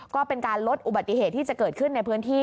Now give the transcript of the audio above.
ก็เป็นการลดอุบัติเหตุที่จะเกิดขึ้นในพื้นที่